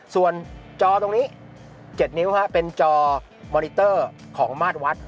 ส่วนจอตรงนี้๗นิ้วเป็นจอมอนิเตอร์ของมาตรวัด